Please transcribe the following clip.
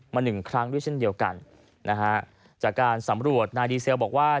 หนึ่งครั้งด้วยเช่นเดียวกันนะฮะจากการสำรวจนายดีเซลบอกว่า